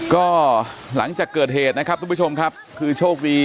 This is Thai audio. ก็หลังจากเกิดเหตุนะครับทุกผู้ชมครับคือโชคดี